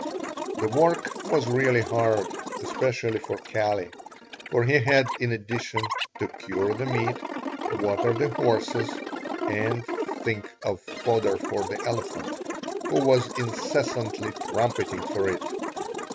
The work was really hard, especially for Kali, for he had, in addition, to cure the meat, water the horses, and think of fodder for the elephant who was incessantly trumpeting for it.